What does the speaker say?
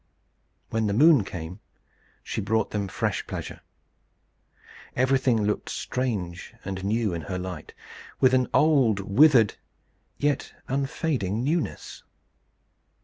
When the moon came, she brought them fresh pleasure. Everything looked strange and new in her light, with an old, withered, yet unfading newness.